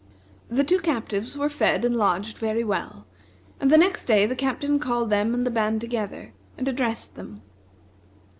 The two captives were fed and lodged very well; and the next day the Captain called them and the band together, and addressed them.